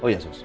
oh ya sus